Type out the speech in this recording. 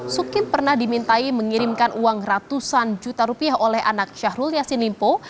sukit pernah dimintai mengirimkan uang ratusan juta rupiah oleh anak syahrul yassin limpo